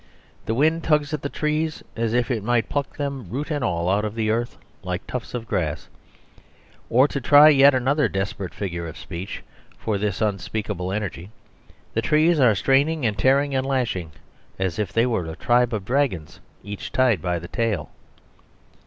The wind tugs at the trees as if it might pluck them root and all out of the earth like tufts of grass. Or, to try yet another desperate figure of speech for this unspeakable energy, the trees are straining and tearing and lashing as if they were a tribe of dragons each tied by the tail.